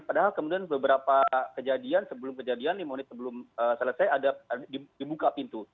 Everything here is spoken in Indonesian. padahal kemudian beberapa kejadian sebelum kejadian lima menit sebelum selesai ada dibuka pintu